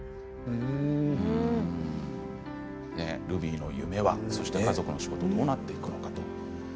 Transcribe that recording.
ルビーの夢はそして家族の仕事はどうなっていくのかと。